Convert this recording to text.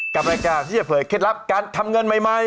กับรายการที่จะเผยเคล็ดลับการทำเงินใหม่